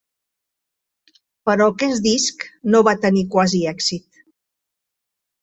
Però aquest disc no va tenir quasi èxit.